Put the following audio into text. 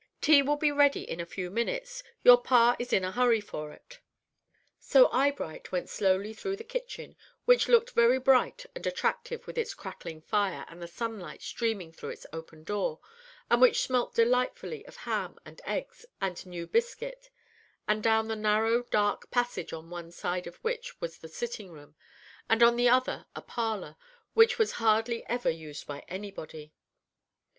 "Tea will be ready in a few minutes. Your pa is in a hurry for it." So Eyebright went slowly through the kitchen, which looked very bright and attractive with its crackling fire and the sunlight streaming through its open door, and which smelt delightfully of ham and eggs and new biscuit, and down the narrow, dark passage, on one side of which was the sitting room, and on the other a parlor, which was hardly ever used by anybody.